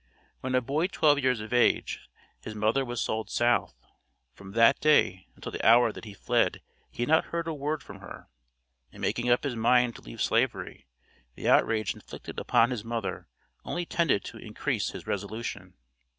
When a boy twelve years of age, his mother was sold South; from that day, until the hour that he fled he had not heard a word from her. In making up his mind to leave Slavery, the outrage inflicted upon his mother only tended to increase his resolution.